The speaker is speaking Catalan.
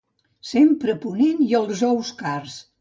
Sempre ponent i els ous cars!